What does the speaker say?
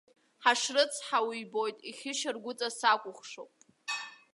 Ҳашрыцҳау ибоит, ихьышьаргәыҵа сакәыхшоуп!